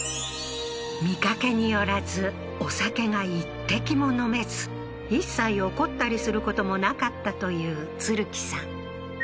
見かけによらずお酒が一滴も飲めず一切怒ったりすることもなかったという鶴喜さん